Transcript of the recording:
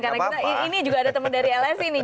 karena ini juga ada teman dari lsi nih